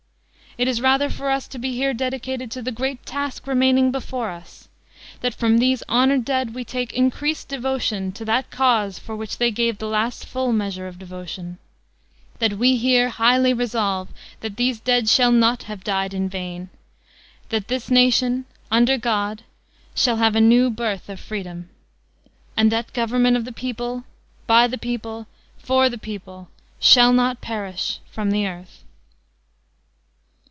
It is rather for us to be here dedicated to the great task remaining before us; that from these honored dead we take increased devotion to that cause for which they gave the last full measure of devotion; that we here highly resolve that these dead shall not have died in vain: that this nation, under God, shall have a new birth of freedom; and that government of the people, by the people, for the people, shall not perish from the earth."